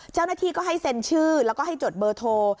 เจ้าหน้าที่ก็ให้เซ็นชื่อแล้วก็ให้จดเบอร์โทร